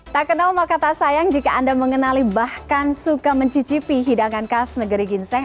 tak kenal maka tak sayang jika anda mengenali bahkan suka mencicipi hidangan khas negeri ginseng